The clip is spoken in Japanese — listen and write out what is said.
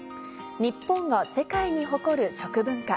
日本が世界に誇る食文化。